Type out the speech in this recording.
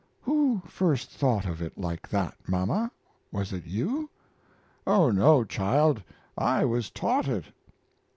"Who first thought of it like that, mama? Was it you?" "Oh no, child, I was taught it."